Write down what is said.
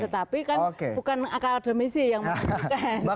tetapi kan bukan akademisi yang menunjukkan